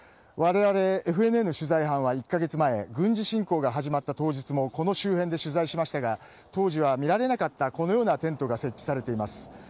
我々ＦＮＮの取材班は１か月前軍事侵攻が始まった当日もこの周辺で取材しましたが当時は見られなかったこのようなテントが設置されています。